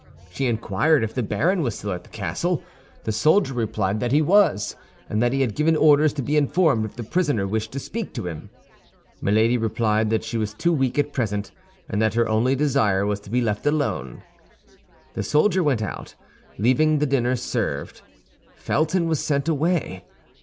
She inquired if the baron was still at the castle. The soldier replied that he was, and that he had given orders to be informed if the prisoner wished to speak to him. Milady replied that she was too weak at present, and that her only desire was to be left alone. The soldier went out, leaving the dinner served. Felton was sent away.